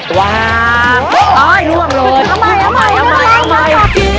ทำไมทำไมทำไม